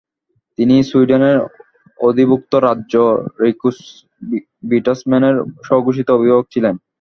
তিনি সুইডেনের অধিভুক্ত রাজ্য রিকসুভিটসম্যানের স্বঘোষিত অভিবাবক ছিলেন।